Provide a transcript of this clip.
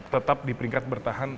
tetap di peringkat bertahan